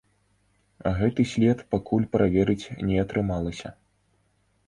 Гэты след пакуль праверыць не атрымалася.